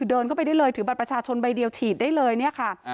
เดินเข้าไปได้เลยถือบัตรประชาชนใบเดียวฉีดได้เลยเนี่ยค่ะ